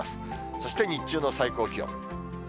そして日中の最高気温。